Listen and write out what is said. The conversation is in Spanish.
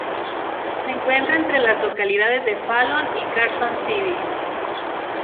Se encuentra entre las localidades de Fallon y Carson City.